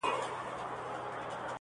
د ګنجي په ژبه بل ګنجی پوهېږي!!